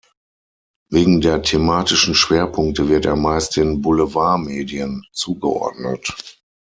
Wegen der thematischen Schwerpunkte wird er meist den Boulevardmedien zugeordnet.